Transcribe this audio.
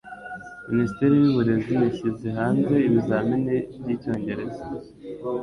Minisiteri y'Uburezi yashyize hanze ibizamini by'Icyongereza